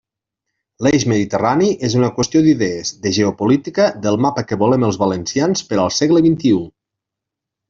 L'eix mediterrani és una qüestió d'idees, de geopolítica, del mapa que volem els valencians per al segle xxi.